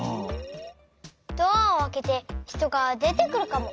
ドアをあけて人がでてくるかも。